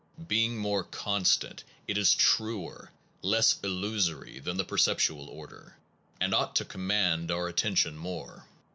Being more constant, it is truer, less illusory than the perceptual order, and ought to command our attention more.